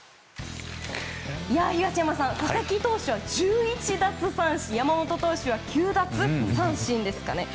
東山さん佐々木投手は１１奪三振山本投手は９奪三振ですかね。